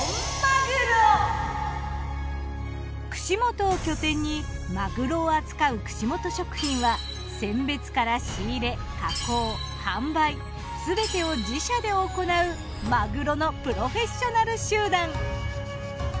串本を拠点にマグロを扱う串本食品は選別から仕入れ加工販売すべてを自社で行うマグロのプロフェッショナル集団。